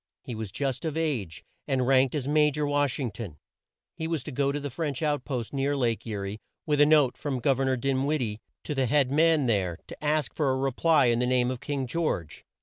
He was just of age, and ranked as Ma jor Wash ing ton. He was to go to the French out post near Lake E rie, with a note from Gov er nor Din wid die to the head man there, and to ask for a re ply in the name of King George.